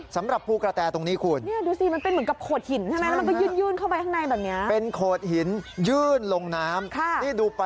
สำหรับภูกระแตตรงนี้คุณ